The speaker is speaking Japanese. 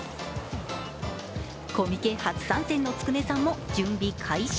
コミケ初参戦のつくねさんも準備開始。